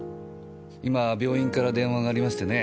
今病院から電話がありましてね